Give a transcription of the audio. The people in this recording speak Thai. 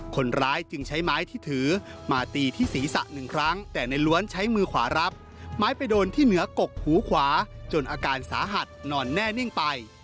คนร้ายจึงใช้ไม้ที่ถือมาตีที่ศีรษะหนึ่งครั้งแต่ในล้วนใช้มือขวารับไม้ไปโดนที่เหนือกกหูขวาจนอาการสาหัสนอนแน่นิ่งไป